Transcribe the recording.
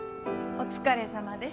お疲れさまでーす。